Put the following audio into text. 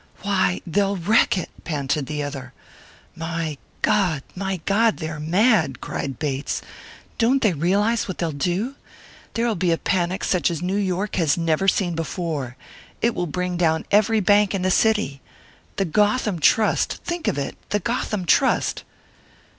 "Why, they'll wreck it!" panted the other. "My God, my God, they're mad!" cried Bates. "Don't they realise what they'll do? There'll be a panic such as New York has never seen before! It will bring down every bank in the city! The Gotham Trust! Think of it! the Gotham Trust!"